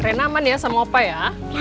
ren aman ya sama opa ya